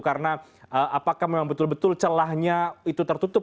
karena apakah memang betul betul celahnya itu tertutup